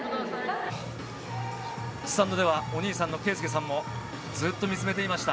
スタンドではお兄さんの圭祐さんもずっと見つめていました。